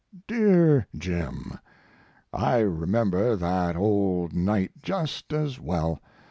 DEAR Jim, I remember that old night just as well!